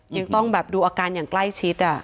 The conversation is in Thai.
ยังต้องแบบดูอาการอย่างใกล้ชิด